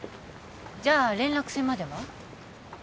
じゃあ連絡船までは？